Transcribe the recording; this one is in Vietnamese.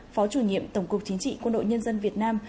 phó chủ nhiệm tổng cục chính trị quân đội nhân dân việt nam